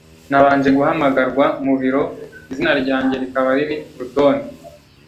nabanje guhamagarwa mu biro, izina ryanjye rikaba riri ku rutonde